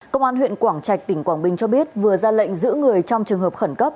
công an huyện quảng trạch tỉnh quảng bình cho biết vừa ra lệnh giữ người trong trường hợp khẩn cấp